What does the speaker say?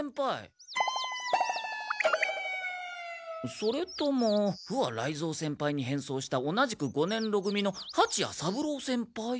それとも不破雷蔵先輩に変装した同じく五年ろ組のはちや三郎先輩？